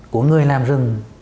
của người làm rừng